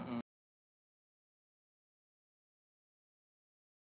itu intensif apa itu dok